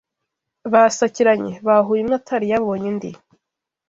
Basakiranye: bahuye umwe atari yabonye undi